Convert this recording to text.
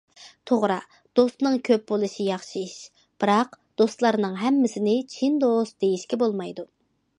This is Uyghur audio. توغرا، دوستنىڭ كۆپ بولۇشى ياخشى ئىش، بىراق دوستلارنىڭ ھەممىسىنى چىن دوست دېيىشكە بولمايدۇ.